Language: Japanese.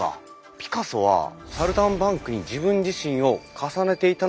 ピカソはサルタンバンクに自分自身を重ねていたのかもしれない。